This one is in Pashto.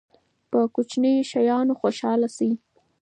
په کوچنیو شیانو خوشحاله شئ.